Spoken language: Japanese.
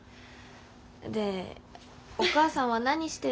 でお母さんは何してんの？